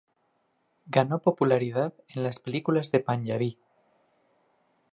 Ganó popularidad en las películas de panyabí.